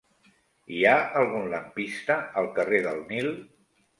Hi ha algun lampista al carrer del Nil?